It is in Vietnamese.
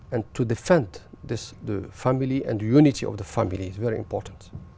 và để giải quyết gia đình và hợp lý gia đình rất là quan trọng